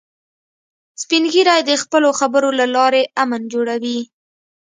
سپین ږیری د خپلو خبرو له لارې امن جوړوي